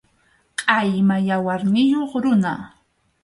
Qʼayma yawarniyuq runa.